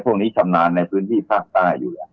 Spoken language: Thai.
พวกนี้ชำนาญในพื้นที่ภาคใต้อยู่แล้ว